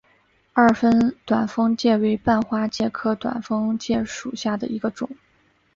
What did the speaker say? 二分短蜂介为半花介科短蜂介属下的一个种。